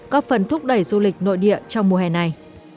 có phần thúc đẩy du lịch nội địa trong mùa hè này